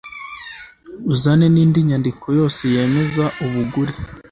Uzane n’indi nyandiko yose yemeza ubugure